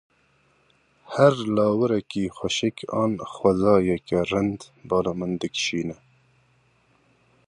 Her lawirekî xweşik an xwezayeke rind bala min dikişîne.